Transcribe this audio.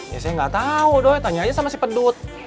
ya saya nggak tahu dong tanya aja sama si pedut